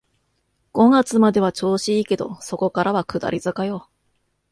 五月までは調子いいけど、そこからは下り坂よ